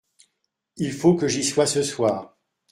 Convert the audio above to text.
Il faut que j'y sois ce soir.